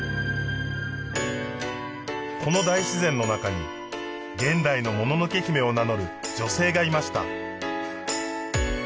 この大自然の中に現代のもののけ姫を名乗る女性がいました